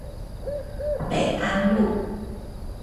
北安路